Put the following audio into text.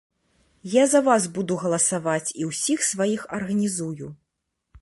Я за вас буду галасаваць і ўсіх сваіх арганізую.